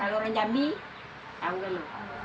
kalau orang jambi tahu dulu